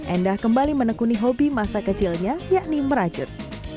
endah kembali menekuni hobi masa kecilnya yakni merajut